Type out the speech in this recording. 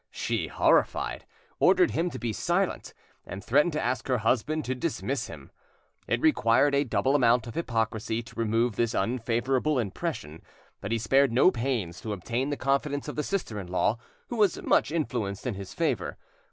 She, horrified, ordered him to be silent, and threatened to ask her husband to dismiss him. It required a double amount of hypocrisy to remove this unfavourable impression; but he spared no pains to obtain the confidence of the sister in law, who was much influenced in his favour.